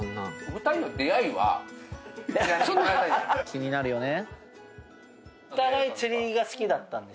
気になるよね。